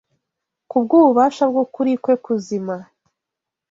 kubw’ ububasha bw’ukuri kwe kuzima.